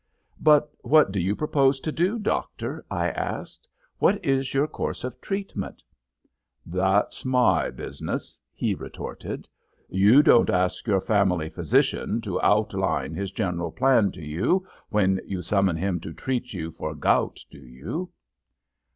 "But what do you propose to do, Doctor?" I asked. "What is your course of treatment?" "That's my business," he retorted. "You don't ask your family physician to outline his general plan to you when you summon him to treat you for gout, do you?"